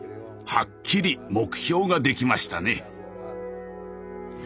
はっきり目標ができましたね。